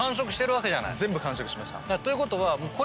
全部完食しました。ということはこれを。